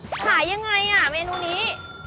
ขายยังไงอ่ะเมนูนี้